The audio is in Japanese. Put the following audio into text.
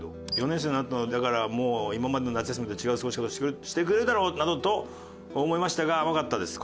「４年生になったのだからもういままでの夏休みとは違う過ごし方をしてくれるだろうなどと思いましたが甘かったです」